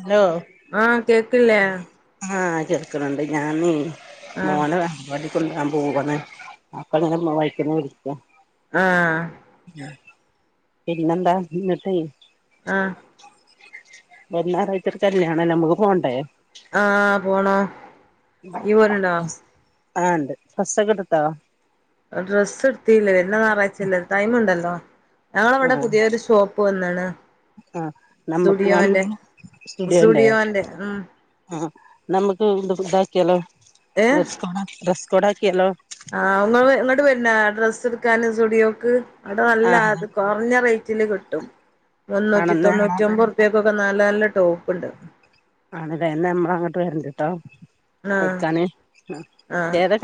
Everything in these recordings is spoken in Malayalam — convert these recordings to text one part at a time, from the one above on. ഹലോ ആഹ് കേക്കില്ലേ ആഹ് കേക്കണണ്ട് ഞാനേ ആഹ് മോനതാ [unintelligible] ആഹ് പിന്നന്താ ന്നട്ടേ ആഹ് വര്നാറാഴച ഒര് കല്യാണ നമുക്ക് പോണ്ടേ ആഹ് പോണം ആഹ് ഉണ്ട് ഡ്രസ്സൊക്കെടുത്തോ ഡ്രസ്സ് ഇട്ത്തിയില്ല വര്ന ഞായറാഴ്ചല്ലേ ടൈം ഉണ്ടല്ലോ ഞങ്ങളവ്ടെ ആഹ് പുതിയൊരു ഷോപ്പ് വന്ന്ക്ണ് ആഹ് നമ്മക്ക് ഞാൻ സുടിയോന്റെ സ്റ്റുഡിയോന്റെ സുടിയോന്റെ ഉം ആഹ് നമക്ക് ഇതാക്കിയാലോ ഏഹ് ഡ്രസ്സ്‌കോട ഡ്രസ്സ്‌കോടാക്കിയാലോ ആഹ് [unintelligible] ഇങ്ങട്ട് വര്‌നോ ഡ്രസ്സ് എടുക്കാൻ സുടിയോക്ക് അവ്ടെ നല്ല ആഹ് അത് കൊർഞ്ഞ റേറ്റില് കിട്ടും ആണോ മുന്നൂറ്റി എന്നാ ഞങ്ങള് തൊണ്ണൂറ്റി ഒൻമ്പത് റു റുപ്പ്യക്കൊക്കെ നല്ല നല്ല ടോപ്പ്ണ്ട് ആണ്ല്ലേ ന്ന നമ്മള അങ്ങട്ട് വര്ണ്ട് ട്ടോ ആഹ് ഇട്ക്കാന് ആ ആഹ് ഏതാ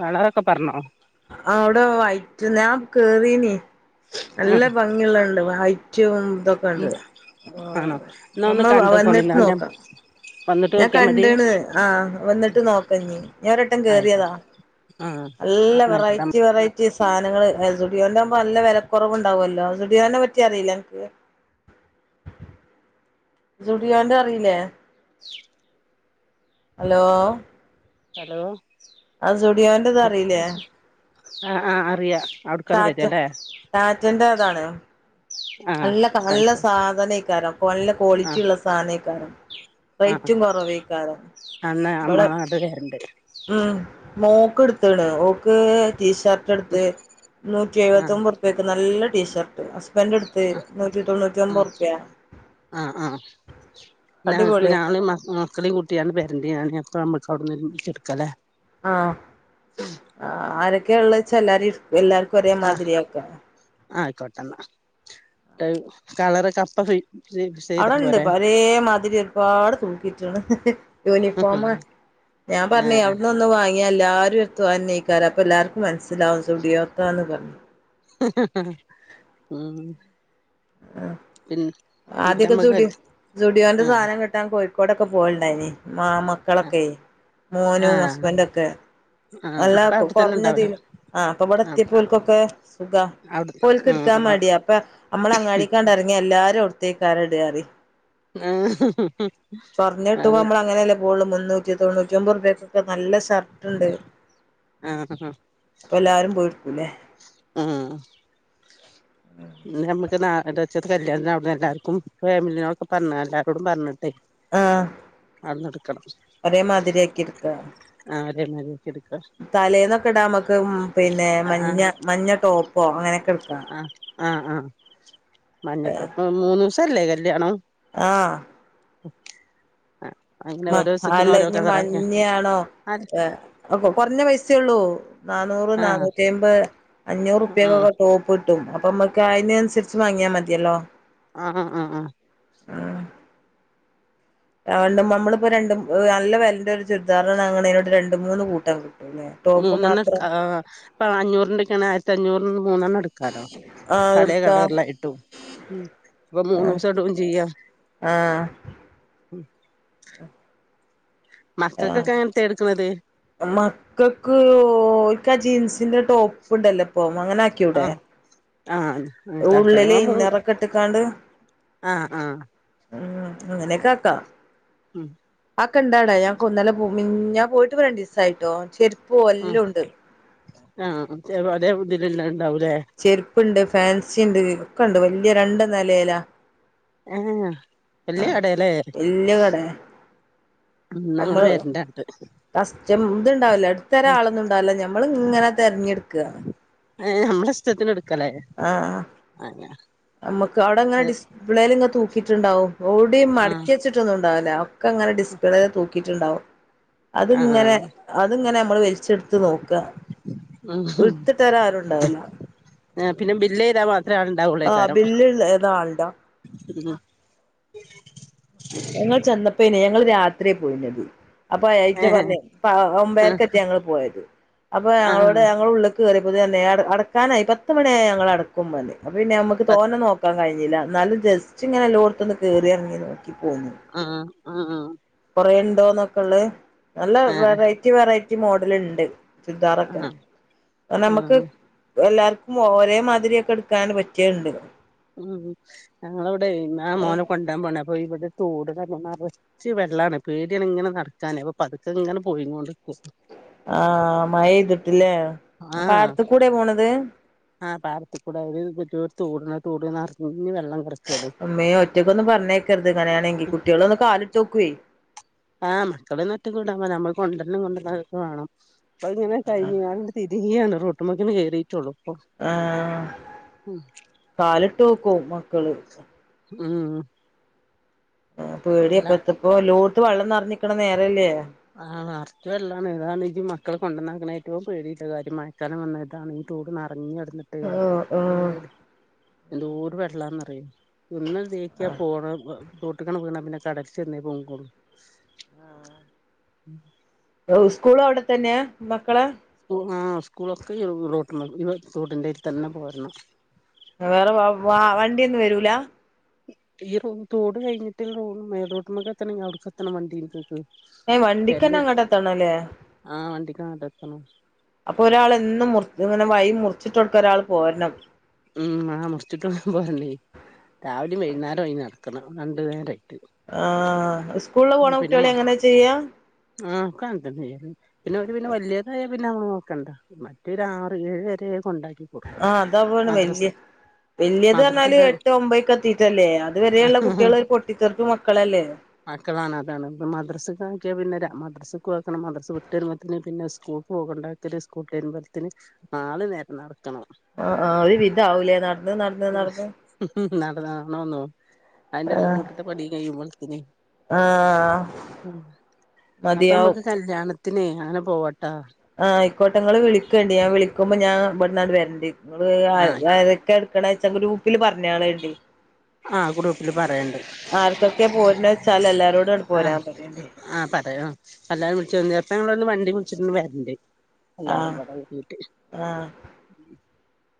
കളറൊക്കെ പർഞ്ഞോ ആ അവ്ടെ വയിറ്റ് ഞാ കേറീനീ നല്ല ഭംഗി യുള്ളണ്ട് വൈറ്റും ഇതൊക്കെ ഉം ഇണ്ട് ആണോ എന്നാ ഒന്ന് നമ്മൾ കണ്ടോക്കോണ്ടി വന്നിട്ട് എന്നാ പിന്നെ നോക്കാ വന്നിട്ട് ഞാൻ നോക്കിയാ മതി കണ്ട്ക്ണ് ആഹ് വന്നിട്ട് നോക്കഞ്ഞീ ഞാൻ ഒരട്ടം കേറിയതാ ആയിക്കോട്ടെ ആ നല്ല എന്നാ ആയിക്കോട്ടെ വെറൈറ്റി വെറൈ റ്റി സാനങ്ങള് സുഡിയോന്റെകുമ്പോ നല്ല വെലക്കുറവ് ഉണ്ടാവുല്ലോ സുഡിയോനെ പറ്റി അറിയില്ലേ അൻക്ക് സുഡിയോന്റെ അറീല്ലേ ഹലോ ഹലോ ആ സുഡിയോന്റെത് അറിയില്ലേ ആഹ് ആഹ് അറിയാ അവ്ട്ക്കൻ ടാറ്റ കഴറ്റല്ലേ ടാറ്റന്റെ അതാണ് നല്ല നല്ല സാധനേക്കാരം നല്ല ആ ക്വാളിറ്റി ഉള്ള സാനേക്കാരം ആ റെയ്റ്റും കൊറവേക്കാരം എന്നാ അമ്മ ഇവടെ അങ്ങട്ട് വരണ്ട് ഉം മോക്ക് ഇട്ത്ത്ണ് ഓക്ക് ടീഷർ ട്ട്ട്ത്ത് നൂറ്റി ആ എഴുപത്തൊർമ്പ്യക്ക് നല്ല ടീഷർട്ട് ഹസ്ബൻഡ് എടുത്ത് നൂറ്റി തൊണ്ണൂറ്റി ആ ഒമ്പൊർപ്യ ആ ആ ഞങ്ങക്ക് ഞാ മക്കളിം കൂട്ടിയണ്ട് പേരറ അപ്പ നമ്മക്ക് അവിട എടുക്കല്ലേ [unintelligible] ആഹ് ആരൊക്ക ഉള്ളെച എല്ലാരിം എല്ലാർക്കും ഒരേ മാതിരി ആക്ക ആയിക്കോട്ടെന്ന കളറൊക്കെ അപ്പ ഫി അവ്ടെണ്ട് പരേമാതിരി ഒരുപാട് തൂക്കിയിട്ട്ക്ണ് യൂണിഫോമ് ഞാൻ ആ പർഞ്ഞേ അവിടുന്നൊന്ന് വാങ്ങ നി എല്ലാരും എത്തു അഞ്ഞയിക്കാൻ അപ്പൊ എല്ലാർക്കും മനസ്സിലാവും സുഡിയോത്താന്ന് പർഞ്ഞ ഉം പിന്നെ എന്നിട്ട് ആദ്യൊക്കെ നമ്മക്ക് സുടിയോ സുഡിയോന്റെ ആ സാധനം കിട്ടാൻ കോഴിക്കോടൊക്കെ പോവല്ണ്ടായിനി മാമ മക്കളൊക്കെ ആ മോനും ഹസ്ബഡൊക്കെ ആ അല്ലാ ഇപ്പ അവിടെത്തന്നെ ഉണ്ടാവൂലേ കൊർഞ്ഞതീല് ആ അപ്പൊ ഇവടെ എത്തിയപ്പോൽക്കൊക്കെ സുഖാ അവ്ട് ഉം അവ് ഇപ്പ നമ്മള് അങ്ങാടിക്കാണ്ടർങ്ങിയാ എല്ലാരും അവ്ട്ത്തേ ക്കാരം ഇടാ അറി ആഹ് കിട്ടുമ്പോ അതെ [unintelligible] മുന്നൂറ്റി തൊണൂറ്റൊമ്പൊർപ്യക്ക് ഒക്കെ നല്ല ഷർട്ട് ഇണ്ട് ആ അപ്പൊ എല്ലാരും പോയി ഇട്ക്കും ല്ലേ ഉം ഉം ഇനി നമ്മക്ക് ഞാറായ്ചത്തെ കല്യാൺത്തിന് അവ്‌ട്ന്ന് എല്ലാർക്കും ഫാമിലിനോടൊക്കെ [unintelligible] എല്ലാരോടും പർഞ്ഞിട്ടെ ആഹ് ഒരേമാതിരി ആക്കി എടുക്ക ആഹ് ഒരേ മാതിരി തലേന്നൊക്കെ ഇടാ നമക്ക് പിന്നെ ആ മഞ്ഞ മഞ്ഞ ടോപ്പോ അങ്ങനെയൊക്കെ ഇട്ക്കാ ആഹ് ആഹ് ആഹ് മഞ്ഞ ടോപ്പ് മൂന്ന് ദിവസല്ലേ കല്യാണം? ആഹ് ഉം മ അല്ല ഇഞ്ഞി മഞ്ഞയാണോ ആ ഏഹ് [unintelligible] കൊറഞ്ഞ പൈസയുള്ളൂ നാന്നൂറ്, ആ നാന്നൂറ്റി അമ്പത് അഞ്ഞൂറ് ആ റുപ്പ്യക്കൊക്കെ ടോ കിട്ടും അപ്പൊ നമ്മക്ക് അതിനനുസരിച്ച് വാങ്ങിയാൽ മതിയല്ലോ. ആഹാ ആഹാ രണ്ട് നമ്മളിപ്പോ രണ്ടും നല്ല വെലന്റെ ഒരു [unintelligible] രണ്ട്, മൂന്ന് കൂട്ടം കിട്ടുല്ലേ? മൂന്നെണ്ണം എടുക്ക ആഹ് ഇപ്പം അഞ്ഞൂറിൻ്റെ ഒക്കെ ആണേ ആയിരത്തി അഞൂറിൻ്റെ മൂന്നെണ്ണം എടു [unintelligible] ആ പലേ എടുക്കാ കളറിലായിട്ട് ഇട്ടു ഉം അപ്പൊ ആ മൂന്നു ദിവസം ഇടുകയും ചെയ്യാ. ആഹ് ആഹ് മക്കൾക്കൊക്കെ എങ്ങൻത്തെയാ എടുക്കുന്നത്? മക്കൾക്ക് ഓൽക്കാ ജീൻസിന്റെ ടോപ്പ് ഇണ്ടല്ലോ ഇപ്പോ അങ്ങനെ ആക്കിയൂടെ ആഹ് ആഹന്നെ ഉള്ളില് ഇന്നറൊക്കെ ഇട്ട്ക്കാണ്ട് ആഹ് ആഹ് ഉം അങ്ങനെയക്കെ ആക്കാ ഉം ആക്ക് ഇണ്ടൗടെ ഞങ്ങക്ക് ഇന്നലെ മി ഞാൻ പോയിട്ട്പ്പോ രണ്ടീസായിട്ടോ ചെര് ആഹ് ആഹ് [unintelligible] അതേ ഇതിലല്ലാം ഇണ്ടാവൂലേ? ചെരുപ്പുണ്ട് ഫാൻസി ഇണ്ട് ഒക്കെ ഇണ്ട് വല്യ രണ്ട് നലയിലാ. ഏഹാ വല്യയ കടേല്ലേ? വല്യ കടേ ഉം ഇന്നാ ഞങ്ങള് വരണ്ട അങ്ങണ്ട്. കസ്റ്റം ഇത്ണ്ടാവില്ല എടുത്ത് തരാൻ ആളൊന്നും ഉണ്ടാവില്ല നമ്മൾ ഇങ്ങനെ തെരഞ്ഞെടുക്കാ. ഏഹ് നമ്മുടെ ഇഷ്ടത്തിന് എടുക്കല്ലേ? ആഹ് ആഹ് നമുക്ക് അവടെ ഇങ്ങനെ അത് ഡിസ്പ്ലേലേങ്ങ് തൂക്കിയിട്ടുണ്ടാവും. എഔടിം ആഹ് മടക്കി വെച്ചിട്ടൊന്നും ഉണ്ടാവുല ഒക്കെ ഇങ്ങനെ ഡിസ്പ്ലേ തൂക്കിയിട്ടുണ്ടാവും. അത്ങ്ങനെ ആഹ് അത്ങ്ങനെ നമ്മള് വലിച്ചെടുത്ത് നോക്ക. ഇട്ത്ത് തരാൻ ആരും ഇണ്ടാവുല. ഏഹ് പിന്നെ ബില്ല് ചെയ്താൽ മാത്രേ ആള് ആ ഇണ്ടാവുള്ളേക്കാരം. ബില്ലുള്ള ഏതാ ആളുണ്ടോ ഹ് ഹാ ഞങ്ങൾ ചെന്നപ്പേനി ഞങ്ങള് രാത്രിയാ പോയിനത്. അപ്പൊ അയ്റ്റ ഏഹ് പറഞ്ഞ് ഇപ്പ ആഹ് ഒമ്പേരക്കെറ്റേ ഞങ്ങള് പോയത് അപ്പൊ ഞങ്ങളോട് ആഹ് ഞങ്ങള് ഉള്ള് കയറിയപ്പോത്തിന് പർഞ്ഞ് അട അടക്കാനായി പത്ത് മണിയായി ഞങ്ങൾ അടക്കും പർഞ്ഞ് അപ്പോ പിന്നെ നമ്മക്ക് തോനേ നോക്കാൻ കഴിഞ്ഞില്ല. ഇന്നാലും ജസ്റ്റ് ഇങ്ങനെ എല്ലോട്ത്ത്ന്ന് കേറി എറങ്ങി നോക്കി പോന്നു. അഹ് ആഹ് ആഹ് ആഹ് കൊറെ ഇണ്ടോന്നൊക്കെള്ളേ നല്ല ആഹ് വെറൈറ്റി വെറൈറ്റി മോഡല് ഇണ്ട്. ചുരിദാറൊക്കെ അഹ് നമ്മുക്ക് ആഹ് എല്ലാർക്കും ഒരേ മാതിരിയക്കെ ഇടുക്കാൻ പറ്റിയേ ഇണ്ട്. ഉം ഞങ്ങളവടെ ഇങ്ങളെ മോനെ കൊണ്ടോവാൻ പോണ് അപ്പൊ ഇവിടെ തൂട് തങ്ങ മാറ് ച്ച് വെള്ളാണ് പേടിയാണ് ഇങ്ങനെ നടക്കാനെ അപ്പൊ പതുക്കെ ഇങ്ങനെ പോയി കൊണ്ട്ക്ക. ആഹ് മഴയ്തിട്ട്ല്ലേ ആഹ് പാടത്ത് കൂടേ പോണത്? ആഹ് പാടത്ത് കൂടെ [unintelligible] തോടുണ്ട് ആഹ് ന്നർഞ്ഞ് വെള്ളം കടക്കാണ്. ഇമ്മേ ഒറ്റയ്ക്കൊന്നു പറഞ്ഞേക്കരുത് ഇങ്ങനെയാണെങ്കി കുട്ടികളൊന്ന് കാലെട്ത്ത്ക്കുവേ. ആഹ് മക്കള് [unintelligible] അതക്കെ വാണം അപ്പ അഹ് ഇങ്ങനെ കഴിഞ്ഞ്ക്കാണ്ട് തി ഇനിയാണ് റോട്ടുമേക്കണ്ട് കേറീട്ടൊള്ളു. ആഹ് കാലിട്ട് നോക്കും മക്കള് ഉം ഇതല പേടിയപ്പഴ്ത്തപ്പോ [unintelligible] വെള്ളം നിറഞ്ഞിക്കണ നേരല്ലേ ആഹ് നിറച്ച് വെള്ളാണ് ഇതാണ് ഇ മക്കൾ കൊണ്ടന്നാക്കണ ഏറ്റവും പേടിയിള്ള കാര്യം മയക്കാലം വന്നതാണ് തോട് നറഞ്ഞടന്ന് ആഹ് ഉം എന്ത്‌ ആഹ് എന്തോര് വെള്ളാന്നറിയൊ ഒന്ന് തേക്കിയ പോണെ തോട്ടുകെണം വീണാ പിന്നെ കടൽ ചെന്നേ പൊങ്ങ്കൊളു ആഹ് ഉം സ്കൂള് അവിടെത്തന്നെയാ മക്കള് ള്ളൂ ആഹ് സ്കൂളൊക്കെ [unintelligible] തോട്ടിന്റേരി തന്നെ പോരണം വേറെ വ വ വണ്ടിയൊന്നും വരൂല ഈ റോ തോട് കഴിഞ്ഞിട്ട് റോട് മേലോട്ട്മെക്കെത്തണം അവിടെ എത്തണം വണ്ടി [unintelligible] ഏ വണ്ടിക്കന്നെ അങ്ങട്ട് എത്തണം അല്ലേ ആഹ് വണ്ടിക്കങ്ങട്ട് എത്തണം അപ്പൊ ഒരാൾ എന്നും മുറി ഇങ്ങനെ വഴിമുറിച്ചിട്ട് കൊടുക്ക ഒരാൾ പോരണം ഉം ആഹ് മുറിചിട്ട് [unintelligible] പോരന്നെ രാവിലേം വൈകുന്നേരായി നടക്കണം രണ്ടു നേരായിട്ട് ആഹ് സ് ഉം പിന്നെ മക് നോക്കാ [unintelligible] പിന്നെ അവര് പിന്നെ വലിയതായാ പിന്നെ നമ്മൾ നോക്കണ്ട മറ്റവരാറ് ഏഴ് വരെയക്കെ കൊണ്ടാക്കി കൊടുക്കണം ആഹ് അതാ പോണ് വല്യ മദ്രസ് വല്ലിയത് പറഞ്ഞാല് മദ്രസന്റെ എട്ട് ഒമ്പതക്കെത്തീട്ടല്ലേ അത് വരെയുള്ള ആ കുട്ടികളെ പൊ [unintelligible] മക്കൾ അല്ലേ മക്കളാണ് അതാണ് ഇപ്പം മദ്രസക്ക് ആക്കിയാൽ പിന്നെ ര മദ്രസക്കുവാക്കണം മദ്രസ വിട്ട് വരുമ്പോത്തേന് പിന്നെ സ്കൂൾ പോകണ്ടേ [unintelligible] സ്കൂൾ കഴിമ്പത്തിന് നാല് നേരം നടക്കണം ആഹ് ആഹ് ഒരു വിധ ആവൂലേ നടന്ന് നടന്ന് നടന്ന് നടന്ന്നടന്നോന്നൊ അതിന്റെടക്ക് ആഹ് വീട്ടത്തെ പണി കഴിയുമ്പോളത്തിന് ആഹ് അപ്പൊ മതിയാവും നമ്മുക്ക് കല്യാണത്തിനെ അങ്ങനെ പോവട്ടാ ആഹ് ആയിക്കോട്ടെ ഇങ്ങള് വിളിക്കണ്ട് ഞാൻ വിളിക്കുമ്പോ ഞാൻ ഇവിടന്നങ്ങ് ട് വരണ്ട് ങ്ങള് ആഹ് ആയിക്കോ ആരൊക്കെയാണ് ക്കണെച്ചാ ഗ്രൂപ്പിൽ പറഞ്ഞയാളേണ്ടി ആഹ് ഗ്രൂപ് പ്പിൽ പറയേണ്ടത് ആർക്കൊക്കെ പോരുണെച്ചാല് എല്ലാരോടും ങ്ങട് പോരാൻ ആഹ് പറയല്ലേ ആഹ് പറയോ എല്ലാരും വിളി [unintelligible] ചെലപ്പം ഞങ്ങളിന്ന് വണ്ടി വിളിച്ചിട്ടന്ന് വരണ്ട് എല്ലാരും ആഹ് പട കുട്ടീട്ട്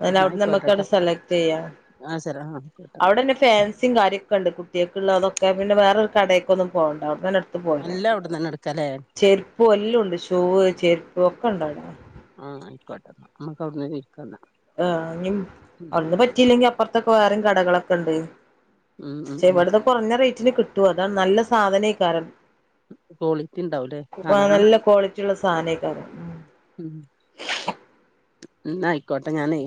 [unintelligible] നമ്മുക്കവിടെ സെലക്ട് ചെയ്യാം ആഹ് ശരി ആഹ് [unintelligible] ക്കൂട്ടന്ന പിന്നെ ഫാൻസിം കാര്യൊക്കെ ഉണ്ട് കുട്ടികക്കുള്ളതൊക്കെ പിന്നെ വേറൊരു കടെക്കൊന്നും പോവേണ്ട അവിടെത്തന്നെ എല്ലാ അവിടെന്ന് ന്നെ എടുക്കാലേ ചെരുപ്പ് എല്ലാം ഉണ്ട് ഷൂവ്, ചെരുപ്പ് ഒക്കെ ഉണ്ടവിടെ ആഹ് ആയിക്കോട്ടന്ന നമ്മക്ക വിട്ന്ന് വേടിക്കാന്ന ആഹ് അവിട്ന്ന് പറ്റിയില്ലെങ്കി അപ്പുറത്തൊക്കെ വേറെം കടകളൊക്കെ ഇണ്ട്. ഉം ഉം ക്ഷെ ഉം ഇവിടന്ന് കുറഞ്ഞ റേറ്റിന് കിട്ടു അതാണ് നല്ല സാധനേക്കാരം കോളിറ്റി ണ്ടാവൂല്ലേ കാണാന് ക്ക്ള്ള സാനക്കാരം ഉം ഉം [unintelligible] എന്ന ആയിക്കോട്ടെ ഞാനെ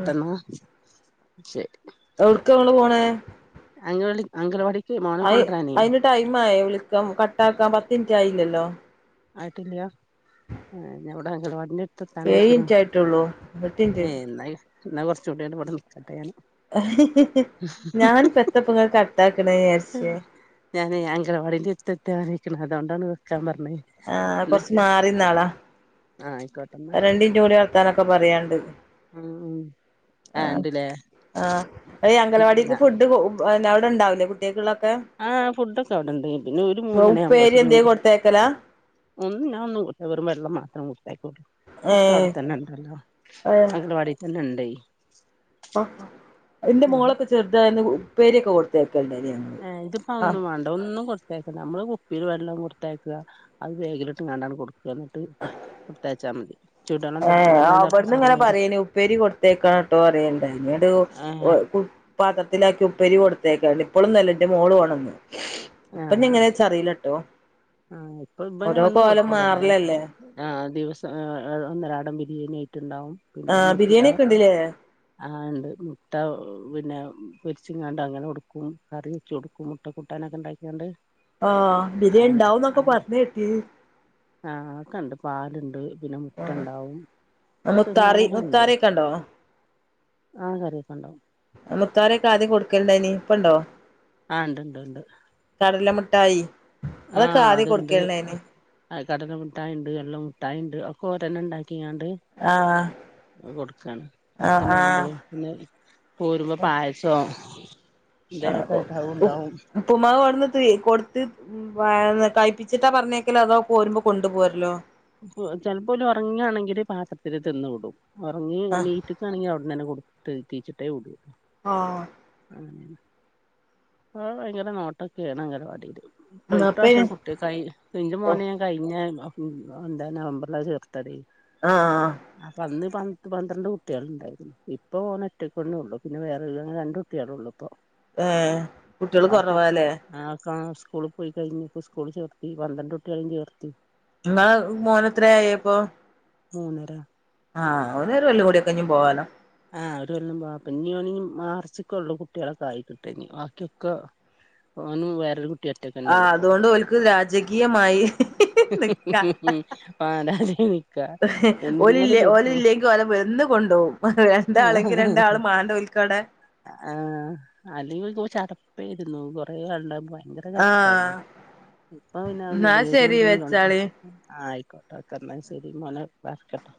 ഉം ശരി എവിടക്ക ങ്ങള് പോണെ അംഗവള്ളി അംഗനവാടിക്കേ മോനെ കൊണ്ടരാനേയ് ടൈമായൊ വിളിക്കാം കട്ടാക്കാൻ പത്ത് മിനിറ്റ് ആയില്ലല്ലോ ആയിട്ടില്ലാ ഞാൻ വിട അംഗനവാടി ഏയ്ൻറ്റ് ആയിട്ടുള്ളൂ പത്ത്ൻറ്റ് ഏ എന്നാ എന്നാ കോറച്ചൂടിയാണ്ട് ഇബടെ നിക്കട്ടെ ഞാന് ഹ ഹ ഹി ഞാനിപ്പോ എത്തപ്പൊങ്ങള് കട്ടാക്ണെയാര്ച്ച് ഞാന് അംഗനവാടിന്റെ എടുത്തത്താനായിക്ക്ണ് അതോണ്ടാണ് വെക്കാൻ പറഞ്ഞേ പറഞ്ഞത് ആഹ് കൊറച്ച് മാറിന്നാളാ ആഹ് ആയിക്കോ രണ്ട്ന്റ്ഊടി വർത്താനൊക്കെ പറയാണ്ട് ഉം ഉം ആ ആഹ് ഇണ്ട്ല്ലേ ആഹ് അതീ അംഗനവാടിക്ക് ഫുഡ് പിന്നെ അവിടെണ്ടാവൂല്ലേ കുട്ടിയക്ക്ള്ളക്കേ ആഹ് ഫുഡ്ക്കെ അവിടെണ്ട് പിന്നെ ഒരു മൂന്നണി ഉപ്പേരി യാമ്പോൾത്തിനും എന്തേ കൊടുത്തയക്കലാ ഒന്ന് ഞാൻ ഒന്നും കൊടുത്ത വെറും വെള്ളം മാത്രം കൊടുത്തയകൊള്ളൂ ഒക്കെ ഏഹ് അവടെത്തന്നെ ണ്ടല്ലോ അംഗനവാടീ തന്നെ ഇണ്ടെ ന്റെ മോളൊക്കെ ചെറുതായന്ന് ഉപ്പേരിയൊക്ക കൊടുത്തേക്കണ്ടേനി ഞാന് ഏഹ് ഇതിപ്പോ അതൊന്നും വേ ഒന്നും കൊടുത്തയക്കണ്ട മ്മള് കുപ്പീല് വെള്ളം കൊടുത്തയക്കാ അത് വേഗിലിട്ട്ങ്ങാണ്ട് കൊടുക്ക ന്നിട്ട് കൊട്ത്തയച്ചാ മതി ചൂടുവെള്ളം തള് ഏഹ് വെള്ളം അവിട്ന്ന് ഇങ്ങനെ തിളപ്പിച്ചാറിയാണ്ട് പറീണ് ഉപ്പേരി കൊടുത്തയക്കണട്ടോ പറേണ്ടായിരുന്നു ടോ ആഹ് വ് കു പാത്രത്തിലാക്കി ഉപ്പേരി കൊടുത്തയക്കണ് ണ്ട് ഇപ്പളൊന്നുഅല്ല ന്റെ മോള് പോണന്ന് ഇപ്പം ആഹ് എങ്ങനേച്ച് അറീല്ലട്ടോ ആഹ് ഇപ്പൊ ഇബന് ഒന്നും കൊടുത്തയക്കണ്ടേ ആഹ് ദിവസം ഒന്നരാടം ബിരിയാണി ആയിറ്റ് ണ്ടാവും പിന്നെ ആഹ് മുട്ട ബിരിയാണി ഒക്കെ ഉണ്ടില്ലേ ആഹ് ണ്ട് മുട്ട പിന്ന പൊരിച്ചിങ്ങാണ്ട് അങ്ങനെ കൊടുക്കും കറിയച്ച് കൊടുക്കും കു മുട്ട കൂട്ടാനൊക്കെ ണ്ടാക്കിയോണ്ട് ആഹ് ബിരിയാ ണ്ടാവുന്നൊക്കെ പറഞ്ഞേട്ട് ആഹ് ഒക്കെ ണ്ട് പാല്ണ്ട് പിന്നെ മുട്ട ണ്ടാവും ഇപ്പൊ തിന്നാനൊക്കെ ണ്ട് ആഹ് ആഹ് കറിയൊക്കെ ണ്ടാവും മുത്താറിയൊക്കെ ആദ്യം കൊടുക്കല്ണ്ടാനി ഇപ്പണ്ടോ ആഹ് ണ്ട്ണ്ട് ണ്ട് കടല മുട്ടായി അതൊക്കെ ആദ്യം കൊടുക്കല്ണ്ടാനി കട മുട്ടായിണ്ട് എള്ള് മുട്ടായിണ്ട് ഒക്കെ ഓരന്നെ ണ്ടാക്കിങ്ങാണ്ട് ആഹ് അത് കൊടുക്കാണ് പത്തണി ആഹ് ആവുമ്പളും പിന്നെ പോരുമ്പോ പായ സോ എന്തെലൊക്കെ ആയിട്ട് അതുണ്ടാകും ഉപ്പ്മാവ് അവിടുന്ന്ത്തി കൊടുത്ത് ഉം [unintelligible] കഴിപ്പിച്ചിട്ടാ പറഞ്ഞേക്കല് അതോ പോരുമ്പോ കൊണ്ടു പോരലോ ചെലപ്പോ ഓല് ഒറങ്ങാണങ്കില് പാത്രത്തില് തിന്ന് വിടും ഒറങ്ങി ആഹ് എനീറ്റ്ക്കാണങ്കി അവിട്ന്നെ കൊടുത്ത് തീറ്റിച്ചിട്ടേ വിടു ആഹ് അങ്ങനെണ്. ആഹ് ഭയങ്കര നോട്ടൊക്കെണ് അംഗനവാടില്. അപ്പ ഇപ്രാവശ്യം കൂട്ടക്കായി. ഇന്റെ മോനെ ഞാന് കഴിഞ്ഞ എന്താ നവംബർലാ ചേർത്തതെ. ആഹ് അപ്പ അന്ന് പത്ത്, പന്ത്രണ്ട് കുട്ടികളുണ്ടായിരുന്നു. ഇപ്പൊ ഒന് ഒറ്റക്കന്നെ ള്ളു. പിന്നെ വേറെ ള്ള അങ്ങനെ ര കുട്യാ ളൊള്ളൂ ഇപ്പൊ. ഏഹ് കുട്ടികള് ബാക്കിക്കെ കുറവാല്ലേ ആൾക്ക സ്കൂള പോയി കഴിഞ്ഞപോ സ്കൂളി ചോർത്തി. പന്ത്രണ്ട് കുട്ടിളെയും ചോർത്തി. ഇങ്ങളെ മോന്നെത്രയായി പ്പൊ മൂന്നര. ആഹ് അവനൊരു കൊല്ലൂടി ക്കെ ഞ്ഞ് പോകാലോ. ആഹ്. ഒരു കൊല്ലം പോവ. ഇഞ്ഞി ഓന് ഞ്ഞി മാർച്ചൊക്കെ ഉള്ളു കുട്ട്യളൊക്കെ ആയി കിട്ട ഞ്ഞി ബാക്കിയൊക്ക ഓനും വെറോരു ആഹ് അതൊണ്ട് ഒൽക്ക് രാജകീയമായി നിക്ക. പാരാതിയ്നി. ഒലില്ലെ ഒലില്ലെ പത് വന്ന് കൊണ്ട്കും. രണ്ടാളെങ്കി രണ്ടാള് മാണ്ടഓൽക്കടെ. ആഹ്. അല്ലെങ്കി പോ ചടപ്പേയിരുന്നു. കൊറെ ആൾണ്ടാകുമ്പോ ഭയങ്കര ചടപ്പാണ്. ആഹ് ഇപ്പം പിന്നെ ന്നാ അതൊന്നുല്ല. ശരി വേറ്റുണ്ടങ്കി കൊണ്ട വെച്ചാളി ആയിക്കോട്ടെ. ഒക്കെ ന്നാ ശെരി. മോനെ വക്കട്ടെ.